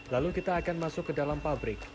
lalu kita akan masuk ke dalam pabrik